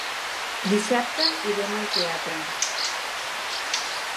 Dissabte irem al teatre.